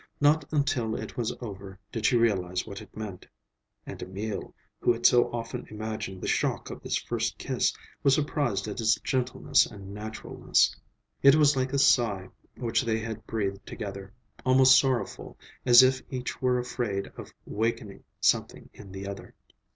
Not until it was over did she realize what it meant. And Emil, who had so often imagined the shock of this first kiss, was surprised at its gentleness and naturalness. It was like a sigh which they had breathed together; almost sorrowful, as if each were afraid of wakening something in the other.